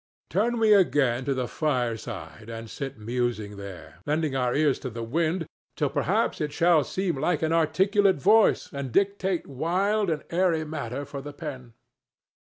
Turn we again to the fireside and sit musing there, lending our ears to the wind till perhaps it shall seem like an articulate voice and dictate wild and airy matter for the pen.